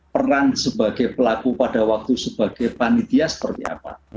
peran sebagai pelaku pada waktu sebagai panitia seperti apa